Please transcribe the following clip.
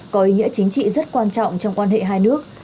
có ý nghĩa chính trị rất quan trọng trong quan hệ hai nước